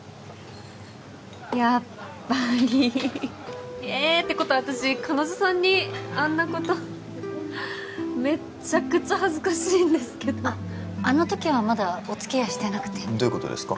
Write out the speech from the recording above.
やっぱりえーってことは私彼女さんにあんなことめっちゃくちゃ恥ずかしいんですけどあの時はまだおつきあいしてなくてどういうことですか？